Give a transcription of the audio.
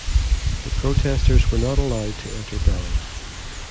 The protesters were not allowed to enter Delhi.